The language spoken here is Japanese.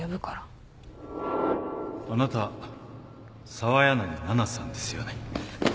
あなた澤柳菜々さんですよね？